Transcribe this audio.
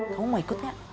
kamu mau ikut nggak